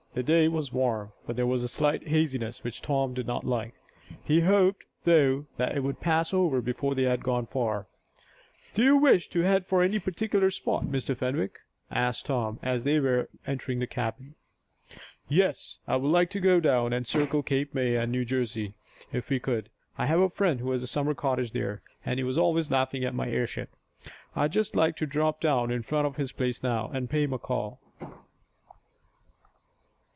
The day was warm, but there was a slight haziness which Tom did not like. He hoped, though, that it would pass over before they had gone far. "Do you wish to head for any particular spot, Mr. Fenwick?" asked Tom, as they were entering the cabin. "Yes, I would like to go down and circle Cape May, New Jersey, if we could. I have a friend who has a summer cottage there, and he was always laughing at my airship. I'd just like to drop down in front of his place now, and pay him a call."